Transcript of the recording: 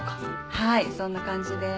はいそんな感じで。